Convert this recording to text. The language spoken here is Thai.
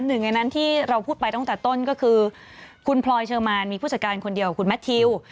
หนึ่งในนั้นที่เราพูดไปตั้งแต่ต้นก็คือคุณพลอยเชอร์มานมีผู้จัดการคนเดียวคุณแมททิว